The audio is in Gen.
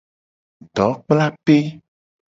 Dokplape.